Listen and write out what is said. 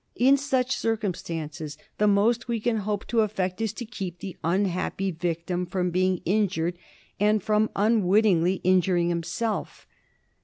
In such circum stances the most we can hope to effect is to keep the unhappy victim from being injured and from unwittingly injuring himself.